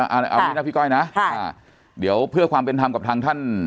เอาอันนี้นะพี่ก้อยนะค่ะเดี๋ยวเพื่อความเป็นทำกับท่าน